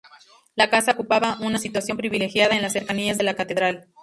La casa ocupaba una situación privilegiada, en las cercanías de la Catedral.